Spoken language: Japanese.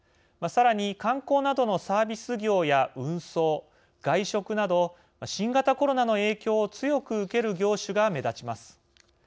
さらに観光などのサービス業や運送、外食など新型コロナの影響を強く受ける業種が目立ちます。